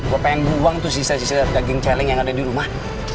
gue pengen buang tuh sisa sisa daging celeng yang ada di rumah